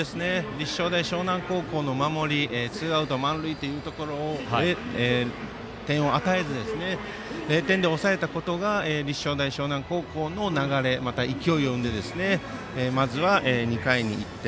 立正大淞南高校の守りツーアウト満塁で点を与えずに０点で抑えたことが立正大淞南高校の流れまた勢いを生んでまずは２回に１点。